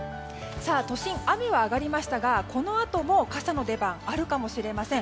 都心、雨は上がりましたがこのあとも傘の出番があるかもしれません。